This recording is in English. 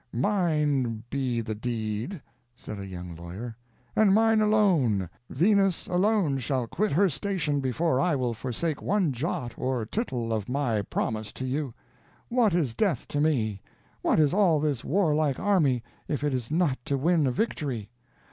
"Mine be the deed," said a young lawyer, "and mine alone; Venus alone shall quit her station before I will forsake one jot or tittle of my promise to you; what is death to me? what is all this warlike army, if it is not to win a victory?